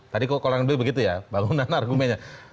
tadi kok orang dulu begitu ya bangunan argumennya